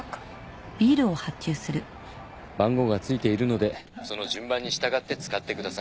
番号がついているのでその順番に従って使ってください。